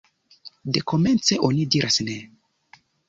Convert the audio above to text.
Dekomence, oni diras Ne!